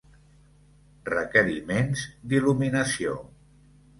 Requeriments d'il·luminació.